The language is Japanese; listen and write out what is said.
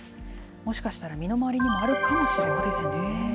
もしかしたら身の回りにもあるかもしれませんね。